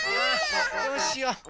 どうしよう？